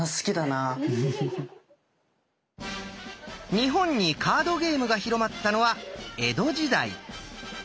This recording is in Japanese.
日本にカードゲームが広まったのは江戸時代。